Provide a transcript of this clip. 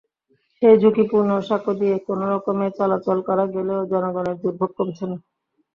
সেই ঝুঁকিপূর্ণ সাঁকো দিয়ে কোনোরকমে চলাচল করা গেলেও জনগণের দুর্ভোগ কমছে না।